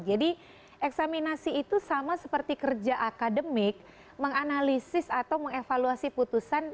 jadi eksaminasi itu sama seperti kerja akademik menganalisis atau mengevaluasi putusan